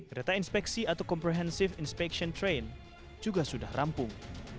kereta inspeksi atau comprehensive inspection train juga sudah rampung